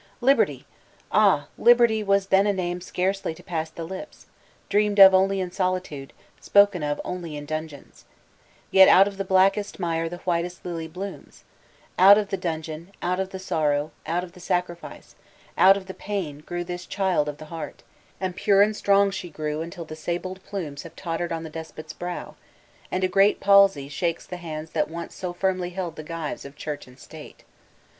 Libertyl Ah, Liberty was then a name scarcely to pass the lips ; dreamed of only in solitude, spoken of only in dungeons I Yet out of the blackest mire the whitest Kly blooms I Out of the dungeon, out of the sorrow, out of the sacrifice, out of the pain, grew this child of the heart ; and pure and strong she grew until the sabled plumes have tottered on the despot's brow, and a great palsy shakes the hands that once so firmly held the gjrves of Church and State.